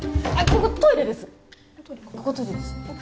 ここトイレです